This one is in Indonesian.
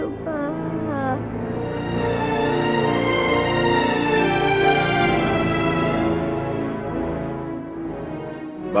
maafin bapak pilih pak